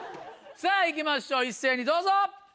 さぁ行きましょう一斉にどうぞ！